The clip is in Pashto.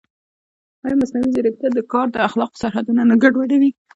ایا مصنوعي ځیرکتیا د کار د اخلاقو سرحدونه نه ګډوډوي؟